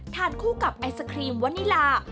ทานคู่กับไอศครีมวนิลา